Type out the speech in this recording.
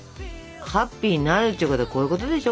ハッピーになるっちゅうことはこういうことでしょ？